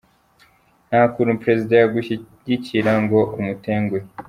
Nta kuntu Perezida yagushyigikira ngo umutenguhe.